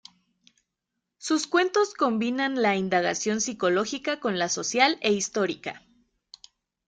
Sus cuentos combinan la indagación psicológica con la social e histórica.